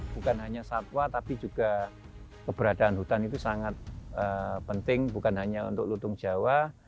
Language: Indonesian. bukan hanya satwa tapi juga keberadaan hutan itu sangat penting bukan hanya untuk lutung jawa